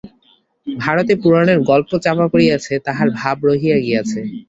ভারতে পুরাণের গল্প চাপা পড়িয়াছে, তাহার ভাব রহিয়া গিয়াছে।